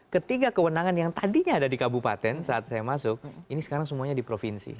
ketiga kewenangan yang tadinya ada di kabupaten saat saya masuk ini sekarang semuanya di provinsi